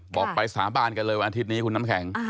บอกไปสาบานกันเลยวันอาทิตย์นี้คุณน้ำแข็ง